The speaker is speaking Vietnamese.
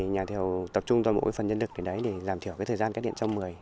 nhà thầu tập trung toàn bộ phần nhân lực để giảm thiểu thời gian cắt điện trăm mười